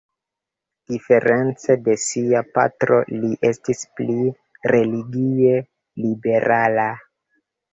Diference de sia patro, li estis pli religie liberala.